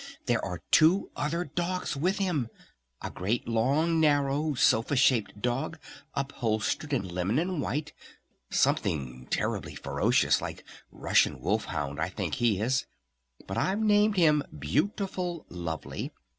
There are two other dogs with him! A great long, narrow sofa shaped dog upholstered in lemon and white, something terribly ferocious like 'Russian Wolf Hound' I think he is! But I've named him Beautiful Lovely!